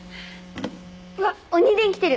うわっ鬼電きてる。